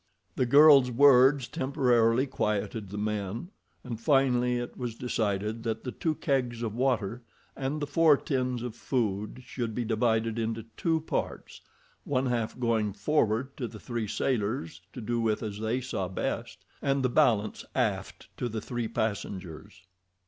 The girl's words temporarily quieted the men, and finally it was decided that the two kegs of water and the four tins of food should be divided into two parts, one half going forward to the three sailors to do with as they saw best, and the balance aft to the three passengers.